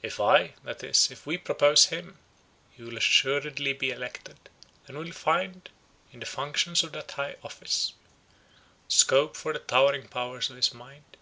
If I—that is, if we propose him, he will assuredly be elected, and will find, in the functions of that high office, scope for the towering powers of his mind.